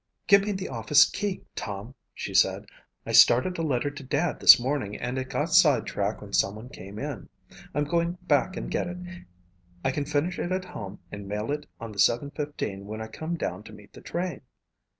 "Give me the office key, Tom," she said. "I started a letter to Dad this morning and it got sidetracked when someone came in. I'm going back and get it. I can finish it at home and mail it on the seven fifteen when I come down to meet the train."